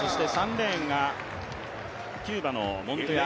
３レーンがキューバのモントヤ。